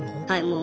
はい。